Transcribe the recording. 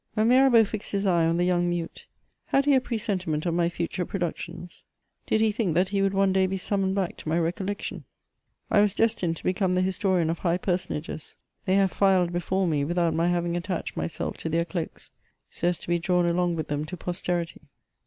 When Mirabeau fixed his eve on the young mute, had he a presentiment of my future productions ? Did he think that he would one day be summoned back to my recollection ? I was destined to become the lustorian of high personages ; they have filed before me, without my having attached myself to their cloaks, so as to be drawn along with fiiem to posterity.